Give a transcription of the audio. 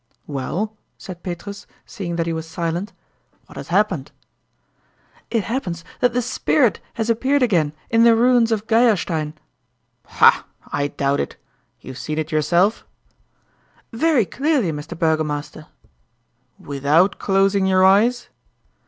"Well!" said Petrus, seeing that he was silent, "what has happened?" "It happens that the spirit has appeared again in the ruins of Geierstein!" "Ha! I doubt it. You've seen it yourself?" "Very clearly, Mr. Burgomaster." "Without closing your eyes?"